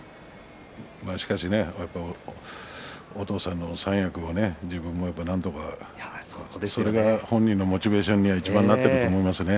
しかし、やっぱりお父さんの三役も自分もなんとかそれも本人がいちばんモチベーションになっていると思いますね。